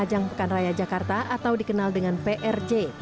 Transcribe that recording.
ajang pekan raya jakarta atau dikenal dengan prj